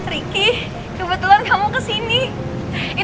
riki kebetulan kamu kesini